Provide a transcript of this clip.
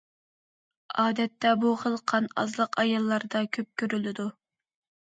ئادەتتە بۇ خىل قان ئازلىق ئاياللاردا كۆپ كۆرۈلىدۇ.